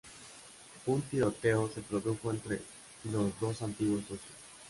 Un tiroteo se produjo entre los dos antiguos socios.